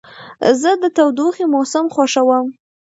زه د تودوخې موسم خوښوم.